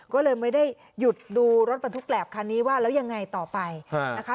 ก็เลยไม่ได้หยุดดูรถบรรทุกแหลบคันนี้ว่าแล้วยังไงต่อไปนะคะ